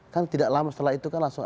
kan tidak lama setelah itu kan langsung